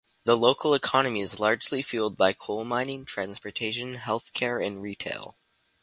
The local economy is largely fueled by coal mining, transportation, health care and retail.